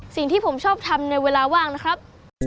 สิ่งที่ผมชอบทำในเวลาว่างนะครับ